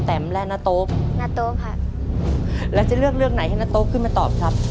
แต่มและนาโต๊นาโต๊ค่ะแล้วจะเลือกเรื่องไหนให้นาโต๊ขึ้นมาตอบครับ